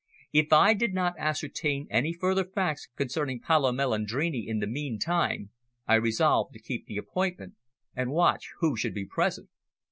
If I did not ascertain any further facts concerning Paolo Melandrini in the meantime, I resolved to keep the appointment and watch who should be present.